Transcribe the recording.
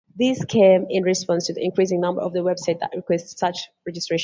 This came in response to the increasing number of websites that request such registration.